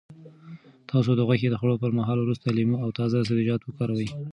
تاسو د غوښې د خوړلو پر مهال ورسره لیمو او تازه سبزیجات وکاروئ.